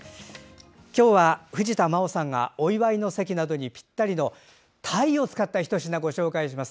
今日は藤田真央さんがお祝いの席やパーティーでもぴったりのたいを使ったひと品をご紹介します。